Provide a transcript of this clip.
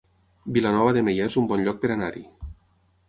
Vilanova de Meià es un bon lloc per anar-hi